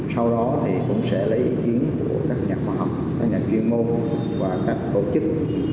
sau đó thì cũng sẽ lấy ý kiến của các nhà khoa học các nhà chuyên môn và các tổ chức